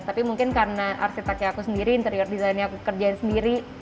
tapi mungkin karena arsiteknya aku sendiri interior designnya aku kerjain sendiri